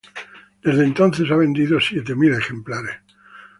Desde entonces ha vendido siete mil ejemplares.